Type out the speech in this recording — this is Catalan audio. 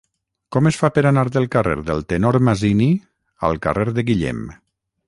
Com es fa per anar del carrer del Tenor Masini al carrer de Guillem?